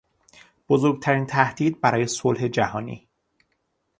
بزرگترین تهدید برای صلح جهانی